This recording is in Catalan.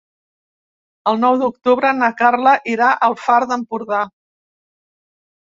El nou d'octubre na Carla irà al Far d'Empordà.